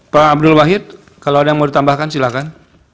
pak abdul wahid kalau ada yang mau ditambahkan silakan